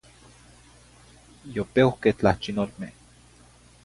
Yi peuqueh tlahchinolmeh